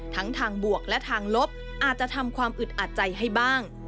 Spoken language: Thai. ทั้งทางบวกและทางลบอาจจะทำความอึดอัดใจให้บ้าง